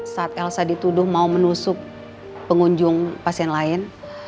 saat elsa dituduh mau menusuk pengunjung pasien lain